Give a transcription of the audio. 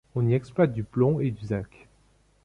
On y exploite du plomb et du zinc.